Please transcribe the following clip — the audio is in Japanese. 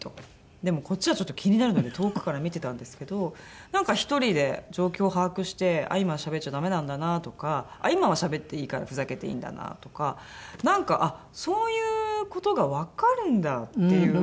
でもこっちはちょっと気になるので遠くから見てたんですけどなんか１人で状況を把握して今はしゃべっちゃダメなんだなとか今はしゃべっていいからふざけていいんだなとかなんかそういう事がわかるんだっていう。